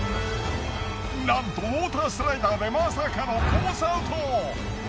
なんとウォータースライダーでまさかのコースアウト！